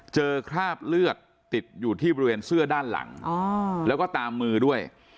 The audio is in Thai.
คราบเลือดติดอยู่ที่บริเวณเสื้อด้านหลังแล้วก็ตามมือด้วย